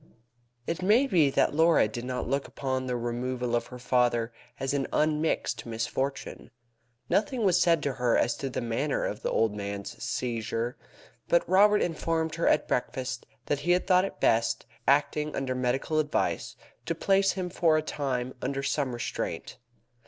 It may be that Laura did not look upon the removal of her father as an unmixed misfortune. Nothing was said to her as to the manner of the old man's seizure, but Robert informed her at breakfast that he had thought it best, acting under medical advice, to place him for a time under some restraint.